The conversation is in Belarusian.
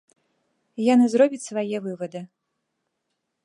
Яны зробяць свае вывады.